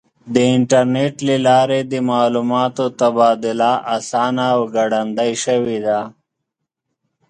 د انټرنیټ له لارې د معلوماتو تبادله آسانه او ګړندۍ شوې ده.